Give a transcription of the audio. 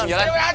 yuk yuk yuk